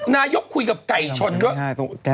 นายกคุยกับไก่ชนก็